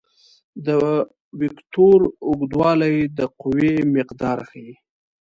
د وکتور اوږدوالی د قوې مقدار ښيي.